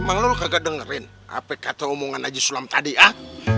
emang lo gak dengerin apa kata omongan najisulam tadi ah